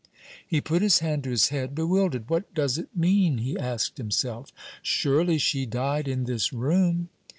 He put his hand to his head, bewildered. "What does it mean?" he asked himself; "surely she died in this room!"